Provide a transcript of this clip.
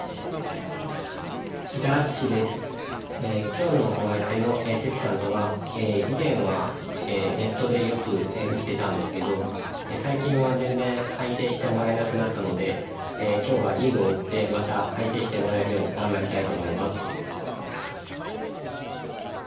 今日のお相手の関さんとは以前はネットでよく打ってたんですけど最近は全然相手してもらえなくなったので今日はいい碁を打ってまた相手してもらえるように頑張りたいと思います。